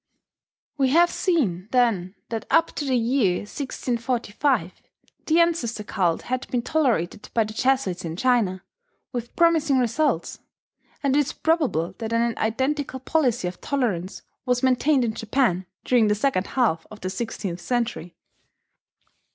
We have seen, then, that up to the year 1645 the ancestor cult had been tolerated by the Jesuits in China, with promising results; and it is probable that an identical policy of tolerance was maintained in Japan during the second half of the sixteenth century.